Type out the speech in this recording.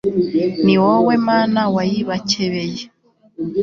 ni wowe, mana, wayibakebeye